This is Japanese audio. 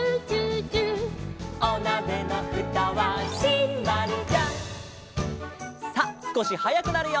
「おなべのふたはシンバルジャン」さあすこしはやくなるよ。